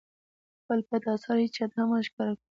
خپل پټ اسرار هېچاته هم مه ښکاره کوئ!